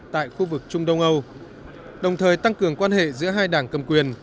tại khu vực trung đông âu đồng thời tăng cường quan hệ giữa hai đảng cầm quyền